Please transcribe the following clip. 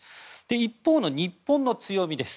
一方の日本の強みです。